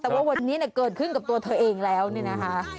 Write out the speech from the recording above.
แต่ว่าวันนี้เกิดขึ้นกับตัวเธอเองแล้วเนี่ยนะคะ